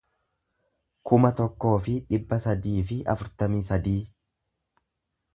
kuma tokkoo fi dhibba sadii fi afurtamii sadii